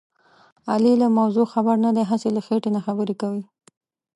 علي له موضوع خبر نه دی. هسې له خېټې نه خبرې کوي.